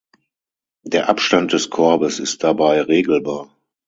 Der Abstand des Korbes ist dabei regelbar.